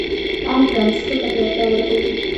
عام ټرانسپورټ ته پراختیا ورکوي.